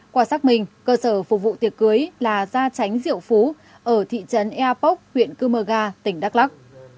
qua sắc mình cơ sở phục vụ tiệc cưới là gia tránh rượu phú ở thị trấn eapok huyện cư mơ ga tỉnh đắk lắc